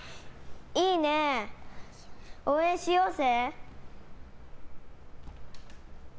いいね、応援しようぜ！